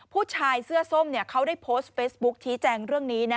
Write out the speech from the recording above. ผู้ชายเสื้อส้มเขาได้โพสต์เฟซบุ๊คชี้แจงเรื่องนี้นะ